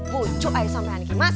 bucuk aja sama ini mas